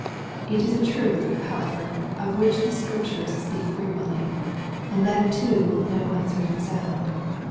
It is a truth, however, of which the Scriptures speak fre quently, and that too with no uncertain sound.